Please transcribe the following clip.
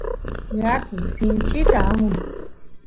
yaku sinchita amun